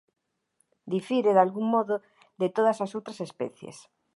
Difire dalgún modo de todas as outras especies.